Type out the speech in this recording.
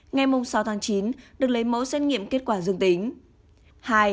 ngay mông sáu tháng chín được lấy mẫu xét nghiệm kết quả dương tính